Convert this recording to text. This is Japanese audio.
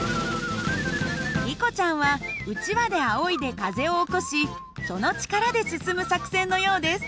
リコちゃんはうちわであおいで風を起こしその力で進む作戦のようです。